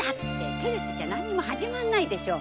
照れてちゃ何にも始まんないでしょ。